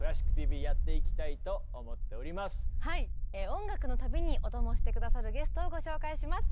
音楽の旅にお供して下さるゲストをご紹介します！